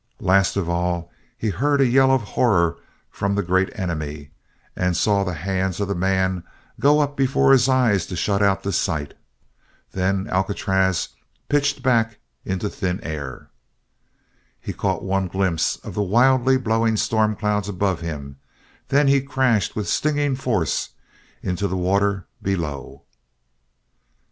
Last of all, he heard a yell of horror from the Great Enemy and saw the hands of the man go up before his eyes to shut out the sight. Then Alcatraz pitched back into thin air. He caught one glimpse of the wildly blowing storm clouds above him, then he crashed with stinging force into the water below.